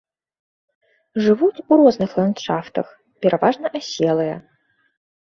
Жывуць у розных ландшафтах, пераважна аселыя.